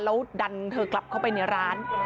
แล้วดันเธอกลับเข้าไปในร้าน